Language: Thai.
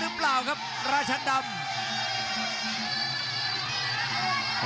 โอ้โห